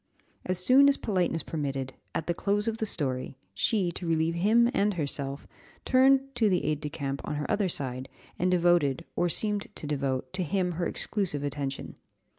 As soon as politeness permitted, at the close of the story, she, to relieve him and herself, turned to the aide de camp on her other side, and devoted, or seemed to devote, to him her exclusive attention.